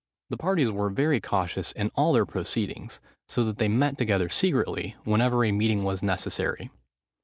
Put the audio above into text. The parties were very cautious in all their proceedings, so that they met together secretly, whenever a meeting was necessary.